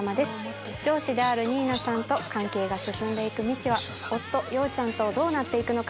上司である新名さんと関係が進んでいくみちは夫陽ちゃんとどうなっていくのか。